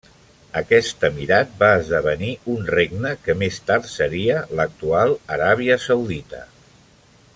Aquest emirat va esdevenir un regne que més tard seria l'actual Aràbia Saudita.